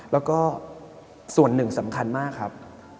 แล้วก็ส่วนหนึ่งสำคัญมากครับ